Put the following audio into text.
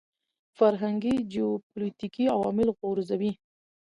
فرهنګي جیوپولیټیکي عوامل غورځوي.